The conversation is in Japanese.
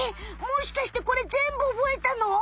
もしかしてこれぜんぶ覚えたの？